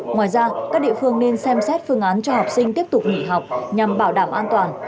ngoài ra các địa phương nên xem xét phương án cho học sinh tiếp tục nghỉ học nhằm bảo đảm an toàn